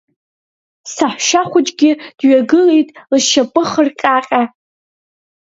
Саҳәшьа хәыҷгьы дҩагылеит, лшьапы хырҟьаҟьа.